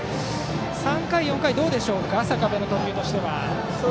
３回、４回どうでしょうか、坂部の投球は。